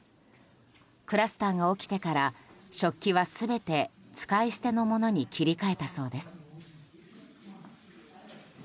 クラスターが起きてから食器は全て使い捨てのものに切り替えたそうです。